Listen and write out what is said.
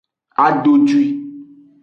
Adodwi.